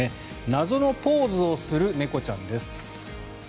謎のポーズをする猫ちゃんです。